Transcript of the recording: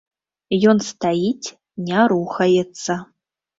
Ён стаіць, не рухаецца.